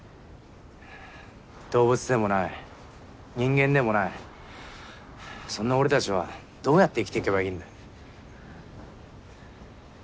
動物でもない人間でもないそんな俺たちはどうやって生きていけばいいんだ？